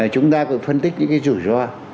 chúng ta cũng phân tích những cái rủi ro